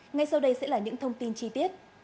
ngay sau đây sẽ là những thông tin chi tiết